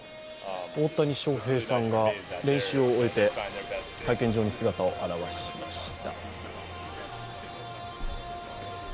大谷翔平さんが練習を終えて会見場に姿を現しました。